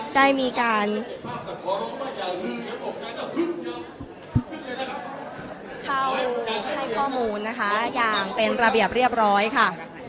ได้มีการเข้าให้ข้อมูลนะคะอย่างเป็นระเบียบเรียบร้อยค่ะ